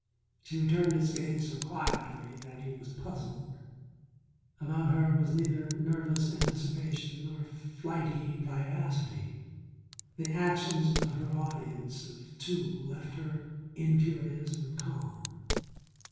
She returned his gaze so quietly that he was puzzled. About her was neither nervous anticipation nor flighty vivacity. The actions of her audience of two left her in curious and calm.